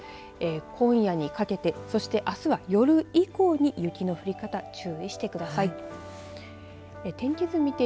今夜にかけてそしてあすは夜以降に雪の降り方注意してください。